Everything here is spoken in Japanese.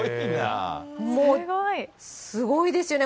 もうすごいですよね。